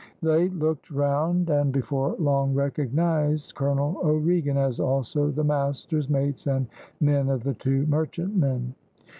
They looked round, and, before long, recognised Colonel O'Regan, as also the masters, mates, and men of the two merchantmen.